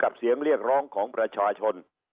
เสียงเรียกร้องของประชาชน